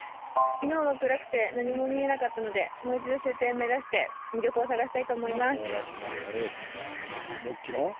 昨日は暗くて何も見えなかったのでもう一度終点目指して魅力を探したいと思います。